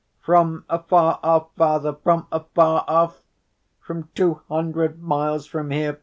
"From afar off, Father, from afar off! From two hundred miles from here.